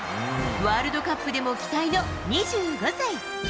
ワールドカップでも期待の２５歳。